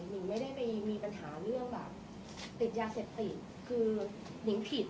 นิงไม่ได้ไปมีปัญหาเรื่องแบบติดยาเสพติดคือนิงผิด